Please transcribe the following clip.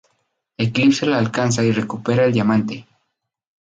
Eclipso la alcanza y recupera el diamante.